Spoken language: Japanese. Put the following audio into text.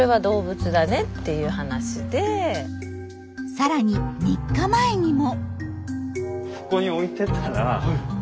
さらに３日前にも。